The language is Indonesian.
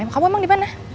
kamu emang dimana